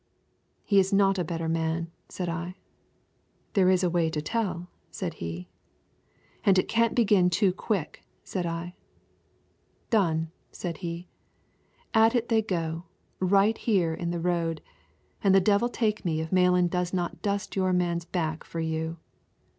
"He is not a better man," said I. "There is a way to tell," said he. "And it can't begin too quick," said I. "Done," said he. "At it they go, right here in the road, and the devil take me if Malan does not dust your man's back for you."